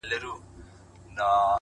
د دوى دا هيله ده چي!